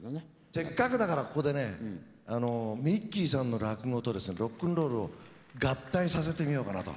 せっかくだからここでねミッキ−さんの落語とロックンロ−ルを合体させてみようかなと。